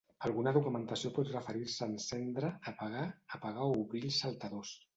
Alguna documentació pot referir-se a encendre, apagar, apagar o obrir els saltadors.